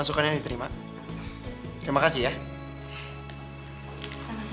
nah jadi uang dari siswa akan kembali lagi kepada siswa